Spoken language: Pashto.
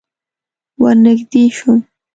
ور نږدې شوم.